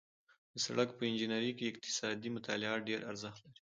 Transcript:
د سړک په انجنیري کې اقتصادي مطالعات ډېر ارزښت لري